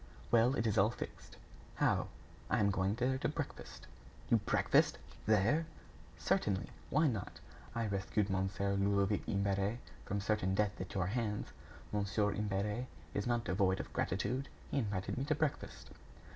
"Well, it is all fixed." "How?" "I am going there to breakfast." "You breakfast there!" "Certainly. Why not? I rescued Mon. Ludovic Imbert from certain death at your hands. Mon. Imbert is not devoid of gratitude. He invited me to breakfast."